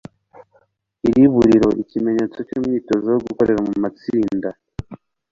Iriburiro Ikimenyetso cy'umwitozo wo gukorera mu matsinda.